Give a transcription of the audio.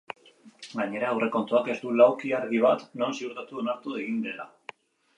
Gainera, aurrekontuak ez du lauki argi bat non ziurtatu onartu egiten dela.